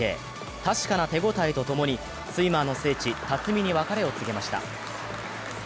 確かな手応えとともにスイマーの聖地・辰巳に別れを告げました。